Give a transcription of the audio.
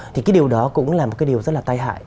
thì cái điều đó cũng là một cái điều rất là tai hại